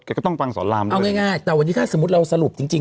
ก็ต้องฟังสอนรามเอาง่ายแต่วันนี้ถ้าสมมุติเราสรุปจริงจริง